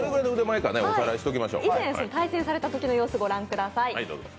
以前、対戦されたときの様子ご覧ください。